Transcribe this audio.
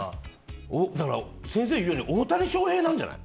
先生が言うように大谷翔平なんじゃない？